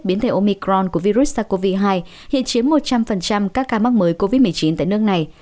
biến thể omicron của virus sars cov hai hiện chiếm một trăm linh các ca mắc mới covid một mươi chín tại nước này